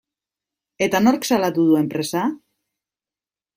Eta nork salatu du enpresa?